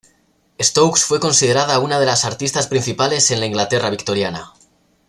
Stokes fue considerada una de las artistas principales en la Inglaterra victoriana.